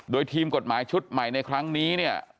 โดยทีมกฎหมายชุดใหม่ในครั้งนี้เนี่ย